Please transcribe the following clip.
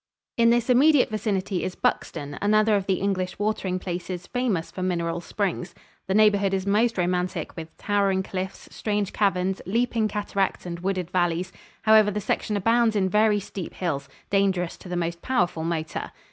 In this immediate vicinity is Buxton, another of the English watering places famous for mineral springs. The neighborhood is most romantic, with towering cliffs, strange caverns, leaping cataracts and wooded valleys. However, the section abounds in very steep hills, dangerous to the most powerful motor.